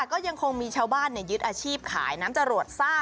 ก็ยังคงมีชาวบ้านยึดอาชีพขายน้ำจรวดซ่า